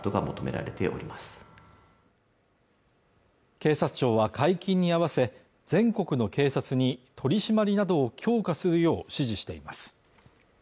警察庁は解禁に合わせ全国の警察に取り締まりなどを強化するよう指示しています